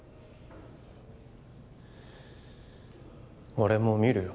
俺も見るよ